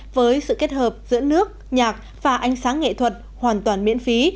với sự kết hợp giữa nước nhạc và ánh sáng nghệ thuật hoàn toàn miễn phí